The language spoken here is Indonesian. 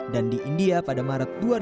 dan di india pada dua ribu sembilan belas